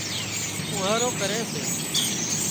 ڦوهارو ڪري سي